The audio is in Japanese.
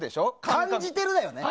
感じてるんだよね。